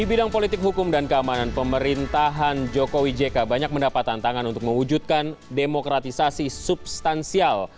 di bidang politik hukum dan keamanan pemerintahan jokowi jk banyak mendapat tantangan untuk mewujudkan demokratisasi substansial